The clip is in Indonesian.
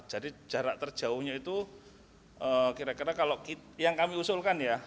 jadi jarak terjauhnya itu kira kira kalau yang kami usulkan ya